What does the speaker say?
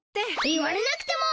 言われなくても。